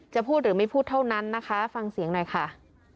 พูดหรือไม่พูดเท่านั้นนะคะฟังเสียงหน่อยค่ะ